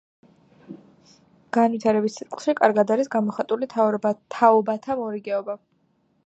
განვითარების ციკლში კარგად არის გამოხატული თაობათა მორიგეობა.